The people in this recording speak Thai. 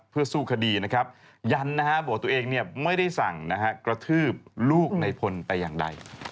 เพื่อสู้คดีนะครับยันนะฮะบอกตัวเองไม่ได้สั่งกระทืบลูกในพลแต่อย่างใด